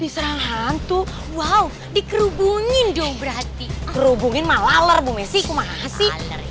diserang hantu wow dikerubungin dong berarti kerubungin malalar bu messi masih